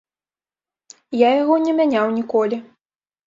Я яго не мяняў ніколі.